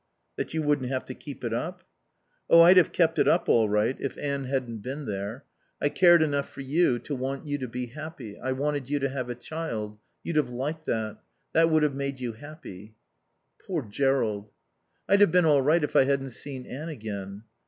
"That you wouldn't have to keep it up?" "Oh, I'd have kept it up all right if Anne hadn't been there. I cared enough for you to want you to be happy. I wanted you to have a child. You'd have liked that. That would have made you happy." "Poor Jerrold " "I'd have been all right if I hadn't seen Anne again."